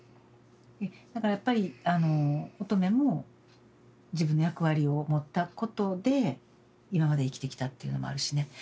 だからやっぱりあの音十愛も自分の役割を持ったことで今まで生きてきたっていうのもあるしね。